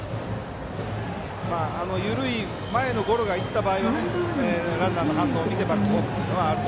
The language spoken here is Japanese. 緩い前のゴロがいった場合はランナーの反応を見てバックホームある。